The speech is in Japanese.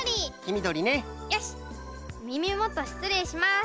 みみもとしつれいします。